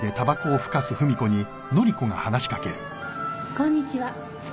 こんにちは。